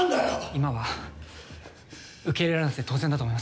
今は受け入れられなくて当然だと思います。